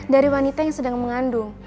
dari wanita yang sedang mengandung